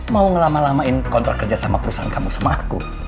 mau ngelama lamain kontrak kerja sama perusahaan kamu sama aku